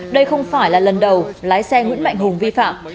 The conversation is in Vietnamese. đây không phải là lần đầu lái xe nguyễn mạnh hùng vi phạm